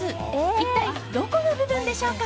一体どこの部分でしょうか？